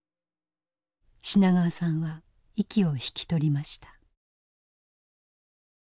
品川さんは息を引き取りました。